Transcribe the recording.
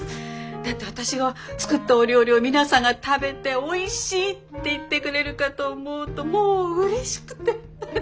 だって私が作ったお料理を皆さんが食べて「おいしい」って言ってくれるかと思うともううれしくて。